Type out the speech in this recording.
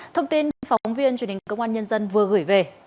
thông tin phóng viên truyền hình công an nhân dân vừa gửi về